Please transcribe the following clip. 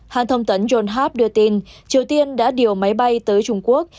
hãng thông tấn john harp đưa tin triều tiên đã điều máy bay tới trung quốc